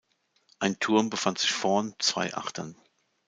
Ein Turm befand sich vorn, zwei achtern.